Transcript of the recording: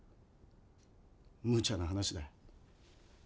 むちゃな話だ。